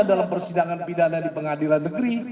dalam persidangan pidana di pengadilan negeri